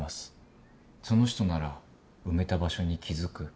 その人なら埋めた場所に気付く。